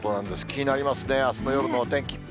気になりますね、あすの夜のお天気。